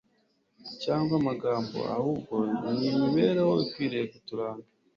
cyangwa amagambo ahubwo ni imibereho ikwiriye kuturanga